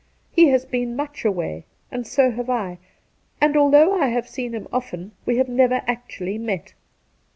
He has been much away, and so haye I, and although I have often seen him, we have never actually met.